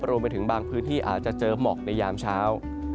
รวมไปถึงบางพื้นที่อาจจะเจอหมอกในยามเช้า